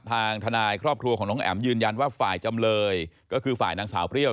ทางทนายครอบครัวของน้องแอ๋มยืนยันว่าฝ่ายจำเลยก็คือฝ่ายนางสาวเปรี้ยว